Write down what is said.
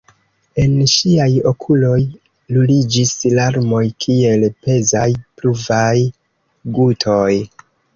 El ŝiaj okuloj ruliĝis larmoj kiel pezaj pluvaj gutoj.